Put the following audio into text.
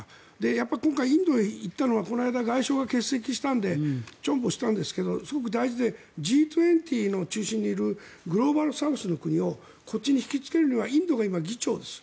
やっぱり今回インドへ行ったのは外相が欠席したのでチョンボしたんですけどすごく大事でＧ２０の中心にいるグローバルサウスの国をこっちに引きつけるにはインドが今、議長です。